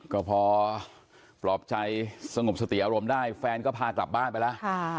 ก็พอปลอบใจสงบสติอารมณ์ได้แฟนก็พากลับบ้านไปแล้ว